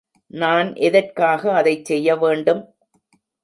நான் எதற்காக அதைச் செய்ய வேண்டும்?